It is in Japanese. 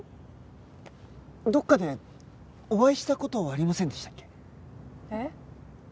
どこかでお会いした事ありませんでしたっけ？